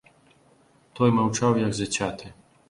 Той маўчаў як зацяты.